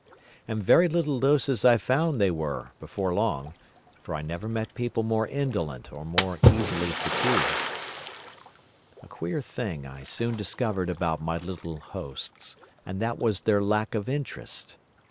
And very little doses I found they were before long, for I never met people more indolent or more easily fatigued. VI. The Sunset of Mankind "A queer thing I soon discovered about my little hosts, and that was their lack of interest.